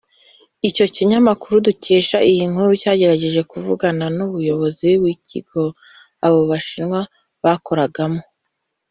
Icyo kinyamakuru dukesha iyi nkuru cyagerageje kuvugana n’umuyobozi w’ikigo abo bashinwa bakoragamo